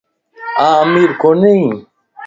آن امير ڪونئي